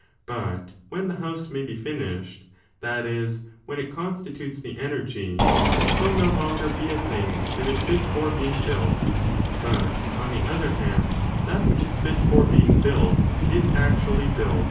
i But when the house may be finished — that is, when it con stitutes the energy — it will no longer be a thing that is fit for being built ; but, on the other hand, that which is fit for being bujlt is actually built.